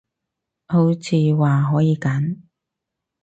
好似話可以練